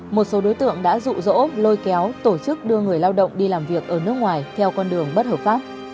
một số đối tượng đã rụ rỗ lôi kéo tổ chức đưa người lao động đi làm việc ở nước ngoài theo con đường bất hợp pháp